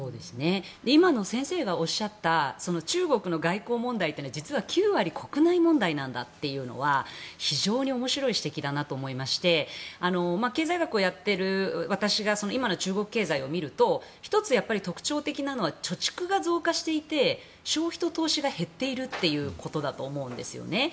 今、先生がおっしゃった中国の外交問題っていうのは実は９割国内問題なんだというのは非常に面白い指摘だなと思いまして経済学をやっている私が今の中国経済を見ると１つ、特徴的なのは貯蓄が増加していて消費と投資が減っているということだと思うんですよね。